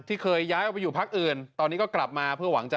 เคยย้ายออกไปอยู่พักอื่นตอนนี้ก็กลับมาเพื่อหวังจะ